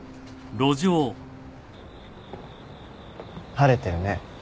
晴れてるね。